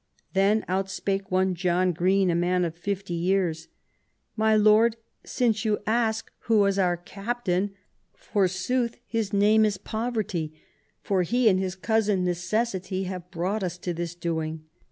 Then out spake one John Greene, a man of fifty years. " My lord, since you ask who is our captain, forsooth, his name is Poverty ; for he and his cousin Necessity have brought us to this doing.